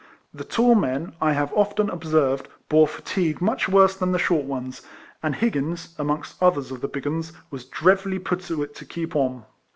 The tall men, I have often observed, bore fatigue much worse than the short ones; and Higgins, amongst others of the big 'uns, was dreadfully put to it to keep on.